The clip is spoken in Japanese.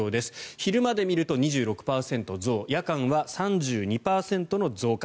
昼間で見ると２６％増夜間は３２％の増加。